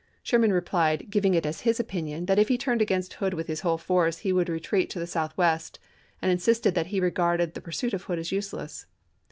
Sherman replied, giving it as his opinion that if he turned against Hood with his whole force he would retreat to the southwest and insisted that he regarded the pur suit of Hood as useless.